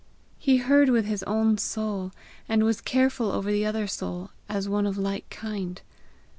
He heard with his own soul, and was careful over the other soul as one of like kind.